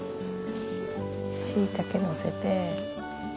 しいたけのせて。